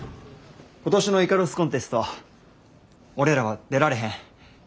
今年のイカロスコンテスト俺らは出られへん。